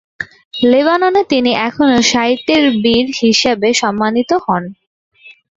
লেবাননে তিনি এখনও সাহিত্যের বীর হিসেবে সম্মানিত হন।